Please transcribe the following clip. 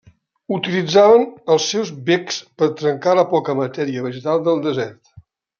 Utilitzaven els seus becs per trencar la poca matèria vegetal del desert.